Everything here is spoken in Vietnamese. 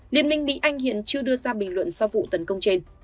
liên minh mỹ anh hiện chưa đưa ra bình luận